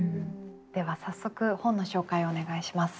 では早速本の紹介をお願いします。